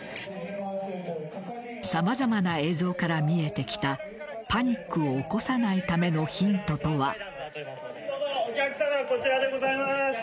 さまざまな映像から見えてきたパニックを起こさないためのヒントとは。